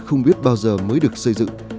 không biết bao giờ mới được xây dựng